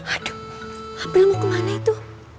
aduh hamil mau kemana itu